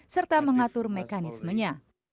serta mengatur mekanismenya